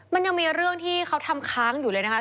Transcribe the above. มันยังมีเรื่องที่เขาทำค้างอยู่เลยนะคะ